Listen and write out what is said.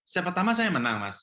saya pertama saya menang mas